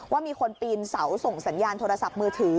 ว่ามีคนปีนเสาส่งสัญญาณโทรศัพท์มือถือ